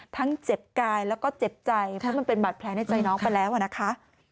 เจ็บกายแล้วก็เจ็บใจเพราะมันเป็นบาดแผลในใจน้องไปแล้วนะคะ